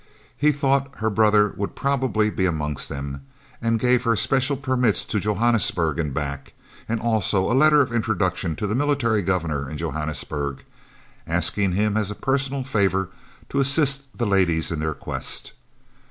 He thought her brother would probably be amongst them, and gave her special permits to Johannesburg and back, and also a letter of introduction to the Military Governor in Johannesburg, asking him as a personal favour to assist the ladies in their quest.